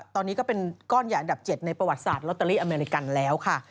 ตอนนี้ก็เป็นก้อนใหญ่อันดับ๗ในประวัติศาสตร์ลอตเตอรี่อเมริกันแล้วค่ะ